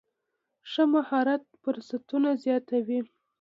ښه مهارت فرصتونه زیاتوي.